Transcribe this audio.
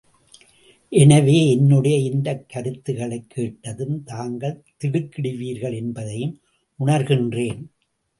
எனவே, என்னுடைய இந்தக் கருத்துக்களைக் கேட்டதும் தாங்கள் திடுக்கிடுவீர்கள் என்பதையும் உணர்கின்றேன்.